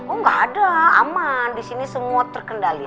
oh gak ada aman disini semua terkendali